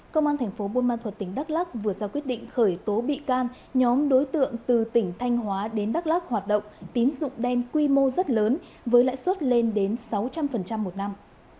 công an thành phố buôn ma thuật tỉnh đắk lắc vừa ra quyết định khởi tố bị can nhóm đối tượng từ tỉnh thanh hóa đến đắk lắc hoạt động tín dụng đen quy mô rất lớn với lãi suất lên đến sáu trăm linh một năm